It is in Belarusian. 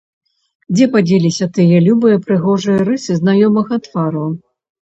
Дзе падзеліся тыя любыя, прыгожыя рысы знаёмага твару?